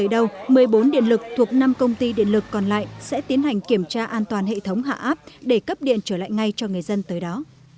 một mươi bốn điện lực thuộc năm công ty điện lực còn lại sẽ tiến hành kiểm tra an toàn hệ thống hạ áp để cấp điện trở lại ngay cho người dân tới đó